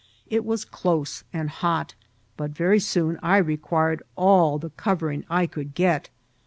It was close and hot, but very soon I re quired all the covering I could get.